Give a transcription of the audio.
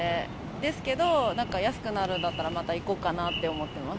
ですけど、なんか安くなるんだったら、また行こうかなって思ってます。